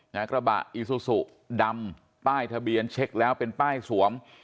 กระบะอีซูซูดำป้ายทะเบียนเช็คแล้วเป็นป้ายสวม